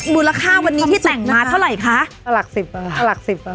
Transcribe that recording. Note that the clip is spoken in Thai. มูลค่าวันนี้ที่แต่งมาเท่าไหร่คะหลักสิบอ่ะค่ะหลักสิบอ่ะ